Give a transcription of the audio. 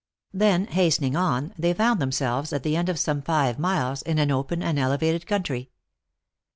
Then, hastening on, they found themselves, at the end of some five miles, in an open and elevated country.